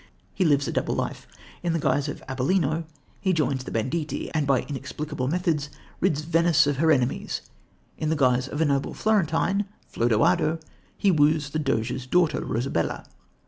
He lives a double life: in the guise of Abellino, he joins the banditti, and by inexplicable methods rids Venice of her enemies; in the guise of a noble Florentine, Flodoardo, he woos the Doge's daughter, Rosabella.